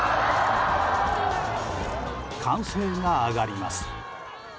歓声が上がります。